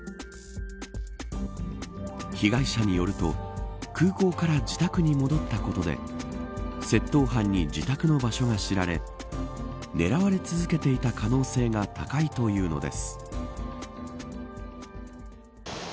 被害者によると空港から自宅に戻ったことで窃盗犯に自宅の場所が知られ狙われ続けていた可能性が高いというのです。